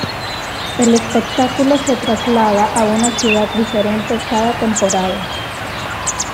El espectáculo se traslada a una ciudad diferente cada temporada.